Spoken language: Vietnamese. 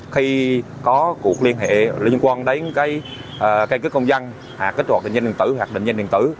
khi có cuộc liên hệ liên quan đến cây cất công dân hoặc kết hoạt định danh điện tử